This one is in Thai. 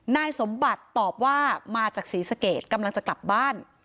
นายสมบัติตอบว่ามาจากศรีสเกตกำลังจะกลับบ้าน